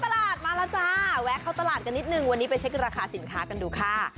ตลาดมาแล้วจ้าแวะเข้าตลาดกันนิดนึงวันนี้ไปเช็คราคาสินค้ากันดูค่ะ